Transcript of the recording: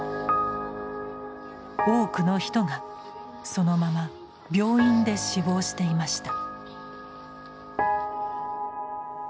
多くの人がそのまま病院で死亡していました。